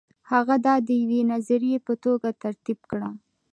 هغه دا د یوې نظریې په توګه ترتیب کړه.